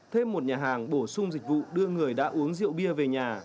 thêm một nhà hàng bổ sung dịch vụ đưa người đã uống rượu bia về nhà